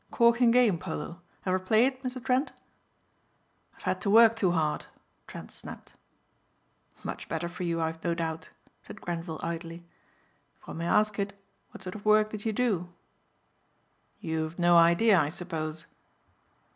"Corking game, polo, ever play it, Mr. Trent?" "I've had to work too hard," Trent snapped. "Much better for you I've no doubt," said Grenvil idly, "If one may ask it, what sort of work did you do?" "You've no idea I suppose?"